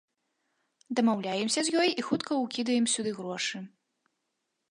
Дамаўляемся з ёй і хутка ўкідаем сюды грошы.